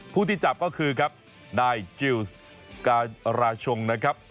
ผู้ที่จับก็คือครับนายจิลสการราชงนะครับ